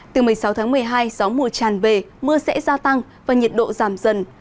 từ một mươi sáu tháng một mươi hai gió mùa tràn về mưa sẽ gia tăng và nhiệt độ giảm dần